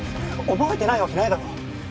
覚えてないわけないだろ？